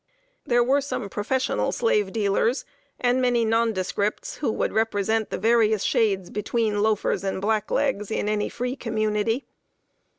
There were some professional slave dealers, and many nondescripts who would represent the various shades between loafers and blacklegs, in any free community.